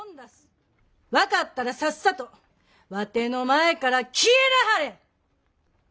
分かったらさっさとわての前から消えなはれ！